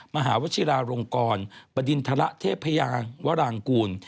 มหาวชิราลงกรบดินทรเทพยาวรางกูล